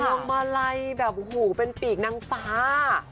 พวงมาลัยแบบโอ้โหเป็นปีกนางฟ้า